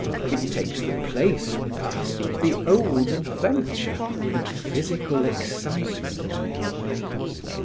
It takes the place, with us, of the old adventure, and physical excitement."